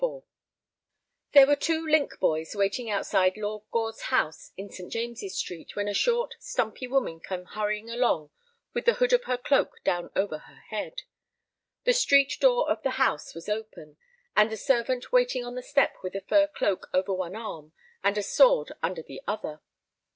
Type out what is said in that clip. XXXIV There were two link boys waiting outside Lord Gore's house in St. James's Street when a short, stumpy woman came hurrying along with the hood of her cloak down over her head. The street door of the house was open, and a servant waiting on the step with a fur cloak over one arm and a sword under the other.